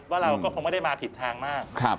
ว่าเราก็คงไม่ได้มาผิดทางมาก